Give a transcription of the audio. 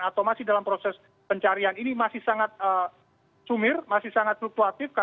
atau masih dalam proses pencarian ini masih sangat sumir masih sangat fluktuatif